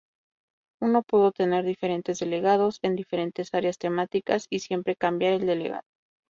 Uno puede tener diferentes delegados en diferentes áreas temáticas, y siempre cambiar el delegado.